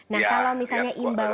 nah kalau misalnya imbauan